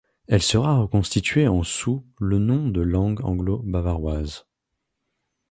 Elle sera reconstituée en sous le nom de Langue anglo-bavaroise.